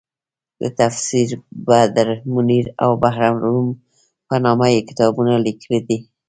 د تفسیر بدرمنیر او بحرالعلوم په نامه یې کتابونه لیکلي دي.